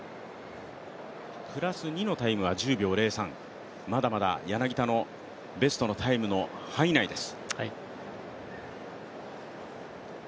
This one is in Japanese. プラス２のタイムは１０秒０３、まだまだ柳田のベストのタイムの範囲内です。